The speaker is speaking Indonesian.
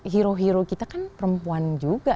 hero hero kita kan perempuan juga